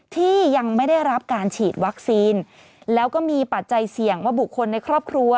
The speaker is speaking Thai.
ที่ยังไม่ได้รับการฉีดวัคซีนแล้วก็มีปัจจัยเสี่ยงว่าบุคคลในครอบครัว